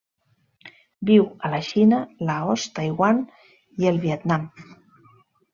Viu a la Xina, Laos, Taiwan i el Vietnam.